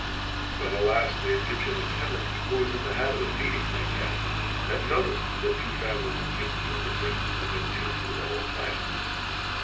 But alas ! the Egyptian attend ant who was in the habit of feeding my cats, had noticed that two families of kittens were missing, and had seen through the whole plan.